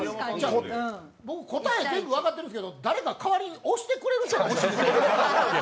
僕、答え全部分かってるんですけど、誰か代わりに押してくれません？